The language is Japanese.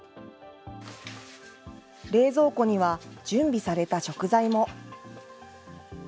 冷蔵庫には、準備された食材も。